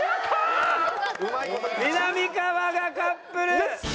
みなみかわがカップル！